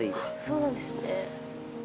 そうなんですね。